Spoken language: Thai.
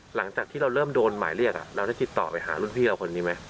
หลังจากที่เราเริ่มโดนหมายเรียกเราได้ติดต่อไปหารุ่นพี่เราคนนี้ไหม